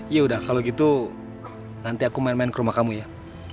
ya udah kalau gitu nanti aku main main ke rumah kamu ya